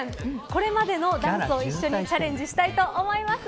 これまでのダンスを一緒にチャレンジしたいと思います。